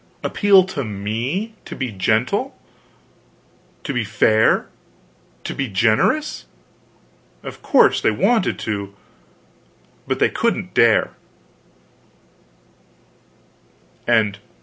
Appeal to me to be gentle, to be fair, to be generous? Of course, they wanted to, but they couldn't dare.